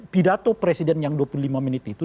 pidato presiden yang dua puluh lima menit itu